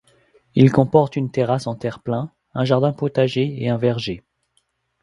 Il comporte une terrasse en terre-plein, un jardin potager et un verger.